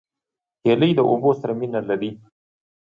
هیلۍ د اوبو سره مینه لري